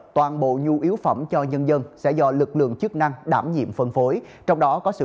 toàn bộ nhu yếu phẩm cho nhân dân sẽ do lực lượng chức năng đảm nhiệm phân phối trong đó có sự